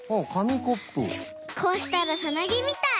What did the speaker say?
こうしたらサナギみたい。